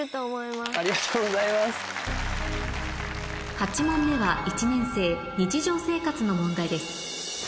８問目は１年生日常生活の問題です